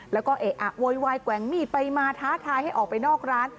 แล้วก็เอะอะโวยวายแกว่งมีดไปมาท้าทายให้ออกไปนอกร้าน